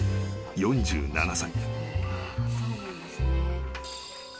４７歳］